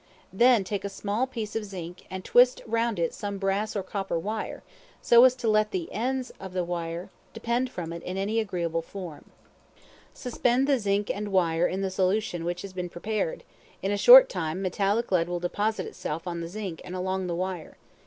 Then take a small piece of zinc, and twist round it some brass or copper wire, so as to let the ends of the wire depend from it in any agreeable form. Suspend the zinc and wire in the solution which has been prepared; in a short time, metallic lead will deposit itself on the zinc and along the wire.